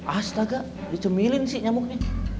astaga dicemilin sih nyamuknya